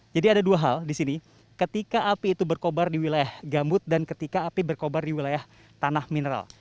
jadi ada dua hal di sini ketika api itu berkobar di wilayah gambut dan ketika api berkobar di wilayah tanah mineral